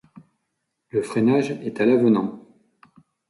Le freinage est à l'avenant.